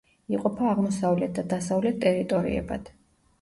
იყოფა აღმოსავლეთ და დასავლეთ ტერიტორიებად.